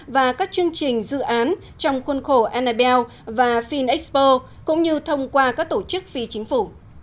và các chương trình dự án trong khuôn khổ annabel và finexpo cũng như thông qua các tổ chức phi chính phủ